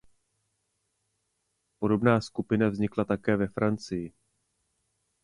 Podobná skupina vznikla také ve Francii.